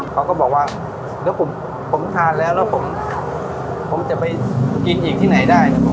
เขาก็บอกว่าแล้วผมทานแล้วแล้วผมจะไปกินอีกที่ไหนได้